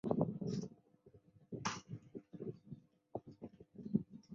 详见软件出版周期。